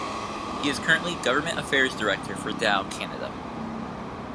He is currently Government Affairs Director for Dow Canada.